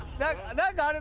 何だあれ。